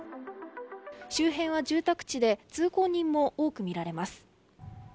周辺は住宅地で通行人も多く見られます。